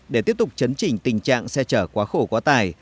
để tiếp tục chấn chỉnh tình trạng xe chở quá khổ quá tài